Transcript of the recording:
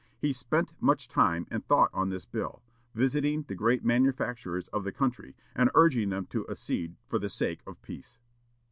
He spent much time and thought on this bill, visiting the great manufacturers of the country, and urging them to accede for the sake of peace.